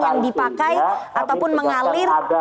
yang dipakai ataupun mengalir